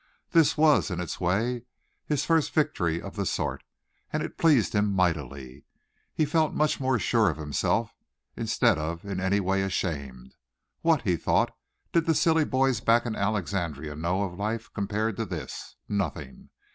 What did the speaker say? This was, in its way, his first victory of the sort, and it pleased him mightily. He felt much more sure of himself instead of in any way ashamed. What, he thought, did the silly boys back in Alexandria know of life compared to this? Nothing.